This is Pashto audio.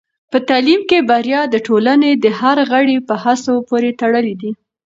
په تعلیم کې بریا د ټولنې د هر غړي په هڅو پورې تړلې ده.